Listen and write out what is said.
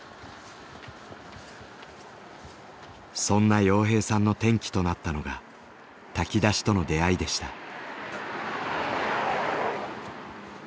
そんな洋平さんの転機となったのが炊き出しとの出会いでした。